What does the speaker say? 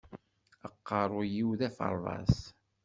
Aqeṛṛu-w d aferḍas!